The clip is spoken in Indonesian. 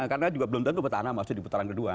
karena ya tidak tentu petahun petahun di putaran kedua